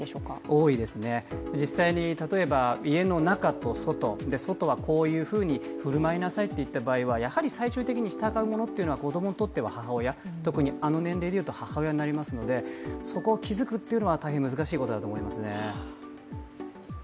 多いですね、実際に例えば家の中と外、外はこういうふうに振る舞いなさいと言った場合はやはり最終的に従うものというのが、子供にとっては母親、特にあの年齢で言うと母親になりますので、そこを気づくというのは大変難しいことだと思いますね。